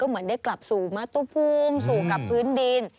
เหมือนได้กลับสู่มัตตุภูมิสู่กับพื้นดิน